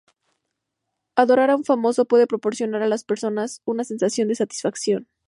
Adorar a un famoso puede proporcionar a las personas una sensación de satisfacción.